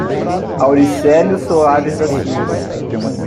Auricelio Soares da Silva